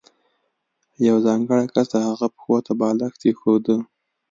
یو ځانګړی کس د هغه پښو ته بالښت ایښوده.